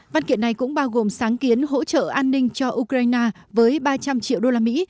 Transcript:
văn kiện này cũng bao gồm sáng kiến hỗ trợ an ninh cho ukraine với ba trăm linh triệu đô la mỹ